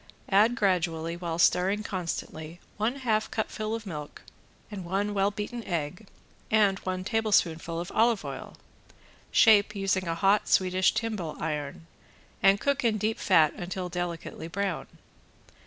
Add gradually while stirring constantly, one half cupful of milk and one well beaten egg and one tablespoonful of olive oil. Shape, using a hot Swedish timbale iron, and cook in deep fat until delicately brown.